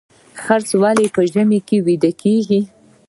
خرس ولې په ژمي کې ویده کیږي؟